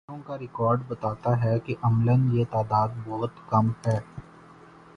بسوں کا ریکارڈ بتاتا ہے کہ عملا یہ تعداد بہت کم ہے۔